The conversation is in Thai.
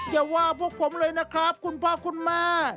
อย่าว่าพวกผมเลยนะครับคุณพ่อคุณแม่